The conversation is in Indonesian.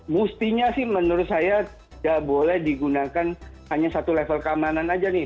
mestinya sih menurut saya tidak boleh digunakan hanya satu level keamanan aja nih